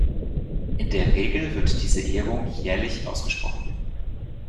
In der Regel wird diese Ehrung jährlich ausgesprochen.